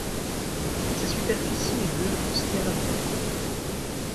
Sa superficie est de stéradians.